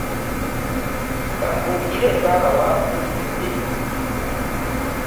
Ka mbukiire baaba wa bukidde